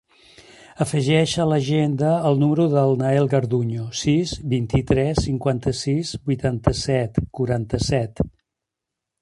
Afegeix a l'agenda el número del Nael Garduño: sis, vint-i-tres, cinquanta-sis, vuitanta-set, quaranta-set.